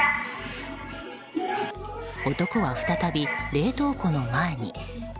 男は、再び冷凍庫の前に。